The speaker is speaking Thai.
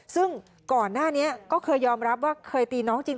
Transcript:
ซึ่งก่อนหน้านี้ก็เคยยอมรับว่าเคยตีน้องจริง